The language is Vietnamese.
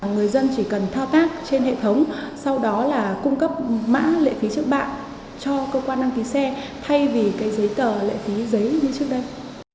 người dân chỉ cần thao tác trên hệ thống sau đó là cung cấp mã lệ phí trước bạn cho cơ quan đăng ký xe thay vì cái giấy tờ lệ phí giấy như trước đây